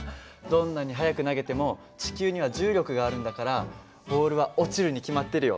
どんなに速く投げても地球には重力があるんだからボールは落ちるに決まってるよ。